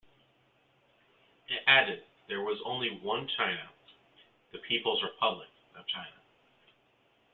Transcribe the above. It added, there was only one China, the People's Republic of China.